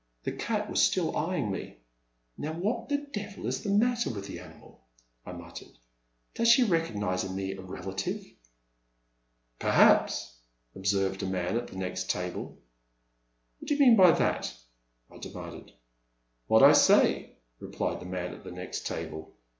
The cat was still eyeing me. Now what the devil is the matter with the animal,'' I muttered, '' does she recognize in me a relative? Perhaps,*' observed a man at the next table. What do you mean by that ?" I demanded. What I say, '' replied the man at the next table.